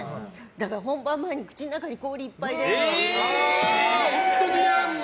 だから、本番前に口の中に氷をいっぱい入れるの。